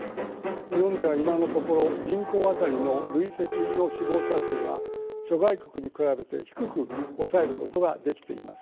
日本では今のところ人口あたりの累積の死亡者数は諸外国に比べて低く抑えることができています。